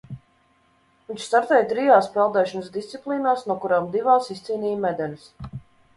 Viņš startēja trijās peldēšanas disciplīnās, no kurām divās izcīnīja medaļas.